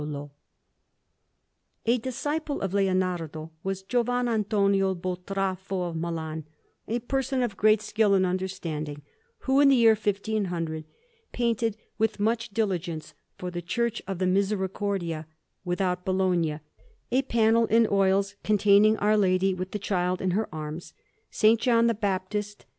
Milan: Brera, 281_) Anderson] A disciple of Leonardo was Giovan Antonio Boltraffio of Milan, a person of great skill and understanding, who, in the year 1500, painted with much diligence, for the Church of the Misericordia, without Bologna, a panel in oils containing Our Lady with the Child in her arms, S. John the Baptist, S.